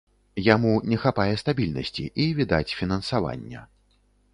Яму не хапае стабільнасці і, відаць, фінансавання.